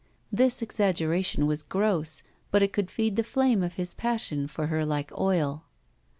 This exaggeration was gross, but it could feed the flame of his passion for her like oil.